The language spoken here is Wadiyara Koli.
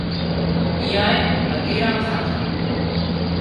ايئانئي متيران ڪاڌان